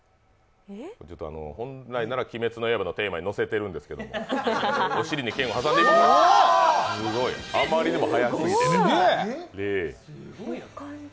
本来なら「鬼滅の刃」にのせてるんですけど、お尻に剣を挟んで、あまりにも速すぎてね。